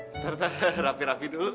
tadah tadah rapi rapi dulu